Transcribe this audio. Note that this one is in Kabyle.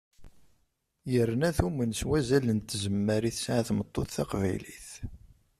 Yerna tumen s wazal n tzemmar i tesɛa tmeṭṭut taqbaylit.